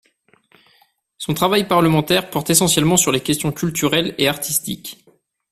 Son travail parlementaire porte essentiellement sur les questions culturelles et artistiques.